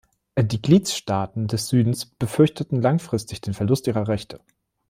Die Gliedstaaten des Südens befürchteten langfristig den Verlust ihrer Rechte.